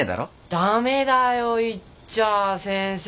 ダメだよ言っちゃあ先生。